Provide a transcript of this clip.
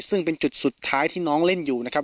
ซึ่งเป็นจุดสุดท้ายที่น้องเล่นอยู่นะครับ